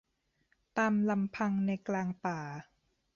ตามลำพังในกลางป่า